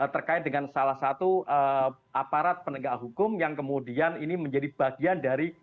terkait dengan salah satu aparat penegak hukum yang kemudian ini menjadi bagian dari